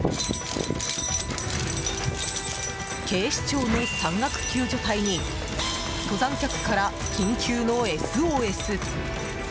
警視庁の山岳救助隊に登山客から緊急のＳＯＳ。